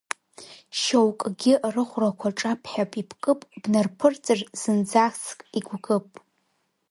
Шьоукгьы рыхәрақәа ҿабҳәап-ибкып, бнарԥырҵыр, зынӡаск игәыкып.